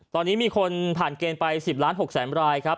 ตอนนี้มีคนผ่านเกณฑ์ไป๑๐ล้าน๖แสนรายครับ